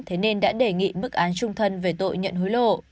thế nên đã đề nghị mức án trung thân về tội nhận hối lộ